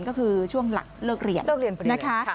ก็คือช่วงหลังเลิกเรียนนะคะ